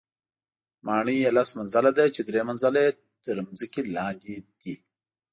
ماڼۍ یې لس منزله ده چې درې منزله یې تر ځمکې لاندې دي.